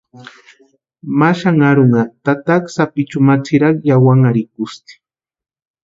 Ma xanharunha tataka sapichuni ma tsʼirari yawanharhikusti.